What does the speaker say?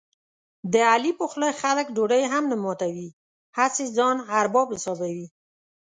د علي په خوله خلک ډوډۍ هم نه ماتوي، هسې ځان ارباب حسابوي.